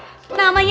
jangan sampai lupa